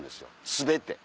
全て。